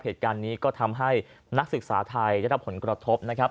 เหตุการณ์นี้ก็ทำให้นักศึกษาไทยได้รับผลกระทบนะครับ